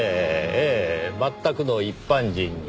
ええ全くの一般人に。